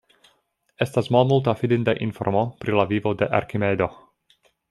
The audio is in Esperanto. Estas malmulta fidinda informo pri la vivo de Arkimedo.